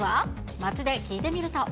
街で聞いてみると。